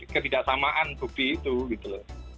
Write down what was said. ketidaksamaan bukti itu